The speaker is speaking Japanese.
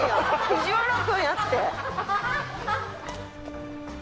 藤原君やって！